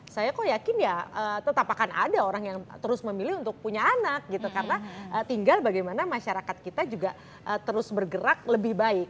saya kok yakin ya tetap akan ada orang yang terus memilih untuk punya anak gitu karena tinggal bagaimana masyarakat kita juga terus bergerak lebih baik